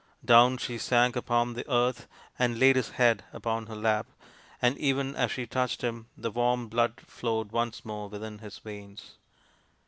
Down she sank upon the earth and laid his head upon her lap, and even as she touched him the warm blood flowed once more within his veins.